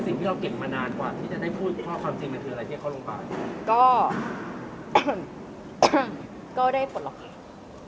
ที่จะได้พูดข้อความจริงมันคืออะไรเก็บเข้าโรงพยาบาล